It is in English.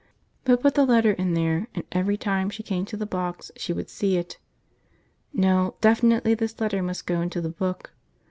But put the letter in there and every time she came to the box she would see it. No, definitely this letter must go into the book.